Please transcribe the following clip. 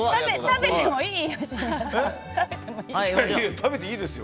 食べていいですよ！